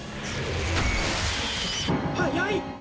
速い！